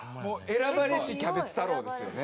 選ばれしキャベツ太郎ですよね。